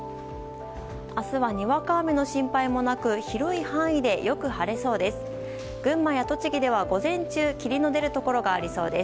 明日は、にわか雨の心配もなく広い範囲でよく晴れそうです。